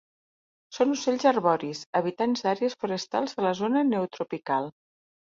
Són ocells arboris, habitants d'àrees forestals de la zona neotropical.